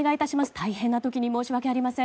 大変な時に申し訳ありません。